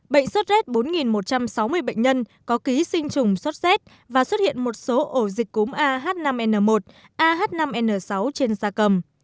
bệnh xuất rét bốn một trăm sáu mươi bệnh nhân có ký sinh trùng xuất rét và xuất hiện một số ổ dịch cúm ah năm n một ah năm n sáu trên gia cầm